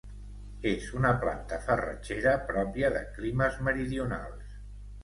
És una planta farratgera pròpia de climes meridionals.